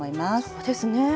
そうですね！